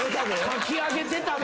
かき上げてたで。